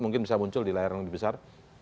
mungkin bisa muncul di layar yang lebih besar